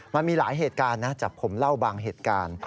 มันมีหลายเหตุการณ์นะจากผมเล่าบางเหตุการณ์